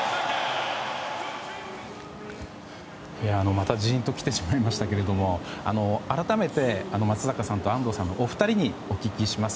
またジンときてしまいましたが改めて松坂さんと安藤さんのお二人にお聞きします。